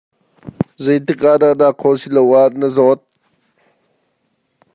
Zeitik ah dah naa khawng silo ah na zawt?